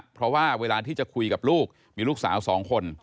เพราะว่าเวลาที่จะคุยกับลูกมีลูกสาว๒คน